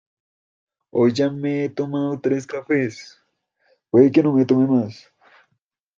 Hoy ya me he tomado tres cafés, puede que no tome más.